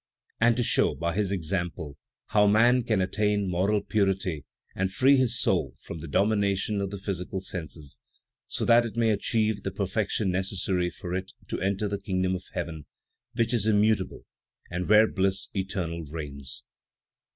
And to show, by His example, how man can attain moral purity and free his soul from the domination of the physical senses, so that it may achieve the perfection necessary for it to enter the Kingdom of Heaven, which is immutable and where bliss eternal reigns.